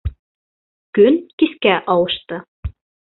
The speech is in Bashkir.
Көн кискә ауышты.